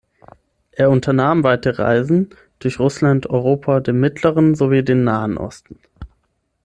Er unternahm weite Reisen durch Russland, Europa, den Mittleren sowie den Nahen Osten.